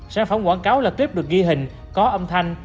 sản phẩm quảng cáo là clip được ghi hình có âm thanh